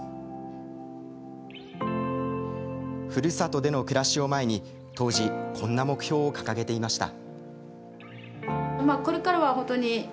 ふるさとでの暮らしを前に当時こんな目標を掲げていました。